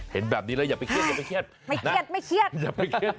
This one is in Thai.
เห็นแบบนี้แล้วอย่าไปเครียด